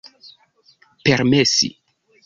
permesi